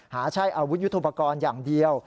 หาใช้อาวุธยุทธุปกรณ์อย่างเดียว